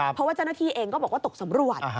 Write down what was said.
เพราะว่าเจ้าหน้าที่เองก็บอกว่าตกสำรวจ